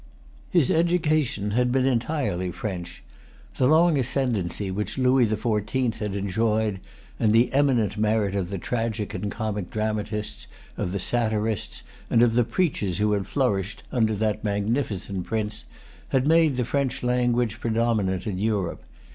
His education had been entirely French. The long ascendency which Louis the Fourteenth had enjoyed, and[Pg 251] the eminent merit of the tragic and comic dramatists, of the satirists, and of the preachers who had flourished under that magnificent prince, had made the French language predominant in Europe.